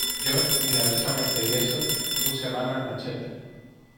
yo, milagrosamente ileso , puse mano al machete: